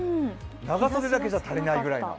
長袖だけじゃ足りないぐらいの。